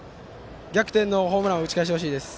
逆転のホームランを打ち返してほしいです。